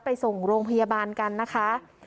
ไปส่งโรงพยาบาลกันนะคะ